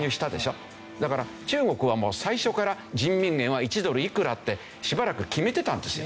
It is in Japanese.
だから中国はもう最初から人民元は１ドルいくらってしばらく決めてたんですよ。